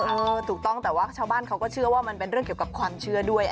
ถูกต้องแต่ว่าชาวบ้านเขาก็เชื่อว่ามันเป็นเรื่องเกี่ยวกับความเชื่อด้วย